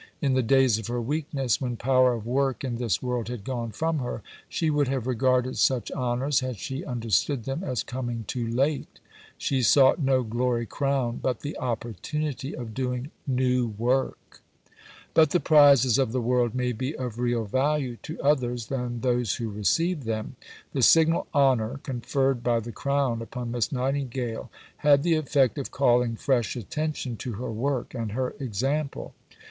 In the days of her weakness, when power of work in this world had gone from her, she would have regarded such honours, had she understood them, as coming too late. She sought no glory crown but the opportunity of doing New Work. [Illustration: Florence Nightingale 1907 from a water colour drawing by Miss F. Alicia de Biden Footner] But the prizes of the world may be of real value to others than those who receive them. The signal honour conferred by the Crown upon Miss Nightingale had the effect of calling fresh attention to her work and her example.